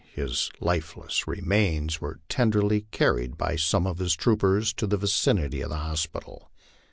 His lifeless remains were tenderly carried by some of his troopers to the vicinity of the hospital.